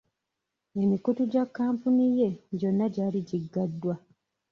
Emikutu gya kampuni ye gyonna gyali giggaddwa.